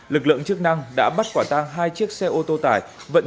lực lượng chức năng đã bắt quả tang hai chiếc xe ô tô tải